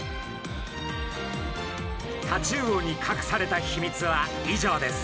タチウオにかくされた秘密は以上です。